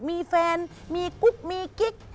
มีแฟนมีกุ๊กมีกิ๊ก